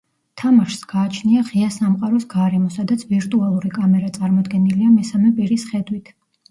თამაშს გააჩნია ღია სამყაროს გარემო, სადაც ვირტუალური კამერა წარმოდგენილია მესამე პირის ხედვით.